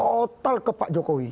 total ke pak jokowi